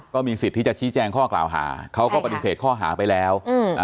ก็มีสิทธิ์ที่จะชี้แจงข้อกล่าวหาเขาก็ปฏิเสธข้อหาไปแล้ว